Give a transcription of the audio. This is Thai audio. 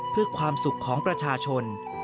เพื่อความสุขของประชาชน